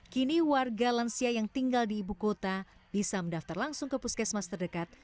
kini warga lansia yang tinggal di ibu kota bisa mendaftar langsung ke puskesmas terdekat